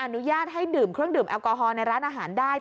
อนุญาตให้ดื่มเครื่องดื่มแอลกอฮอลในร้านอาหารได้